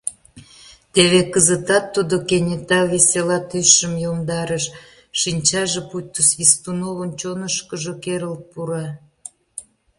Теве кызытат тудо кенета весела тӱсшым йомдарыш, шинчаже пуйто Свистуновын чонышкыжо керылт пура.